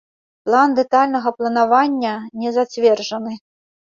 План дэтальнага планавання не зацверджаны.